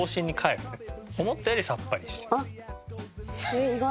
えっ意外。